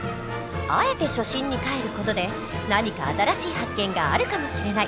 あえて初心にかえる事で何か新しい発見があるかもしれない！